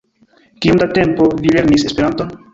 Kiom de tempo vi lernis Esperanton?